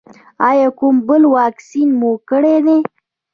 ایا کوم بل واکسین مو کړی دی؟